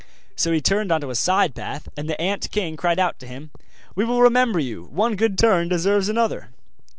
So he turned on to a side path and the ant king cried out to him: 'We will remember you one good turn deserves another!